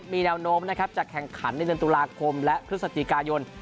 มีแนวโน้มนะครับจะแข่งขันในเดือนตุลาคมและพฤศจิกายน